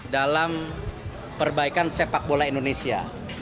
dalam perbaikan sepak bola indonesia